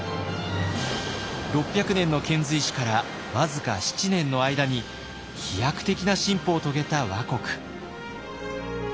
６００年の遣隋使から僅か７年の間に飛躍的な進歩を遂げた倭国。